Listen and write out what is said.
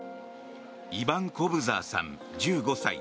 イバン・コブザーさん、１５歳。